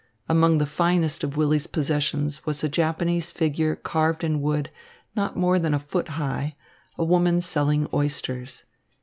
Among the finest of Willy's possessions was a Japanese figure carved in wood not more than a foot high, a woman selling oysters.